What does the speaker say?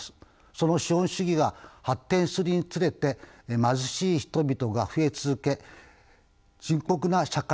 その資本主義が発展するにつれて貧しい人々が増え続け深刻な社会問題になります。